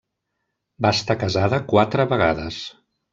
Va estar casada quatre vegades.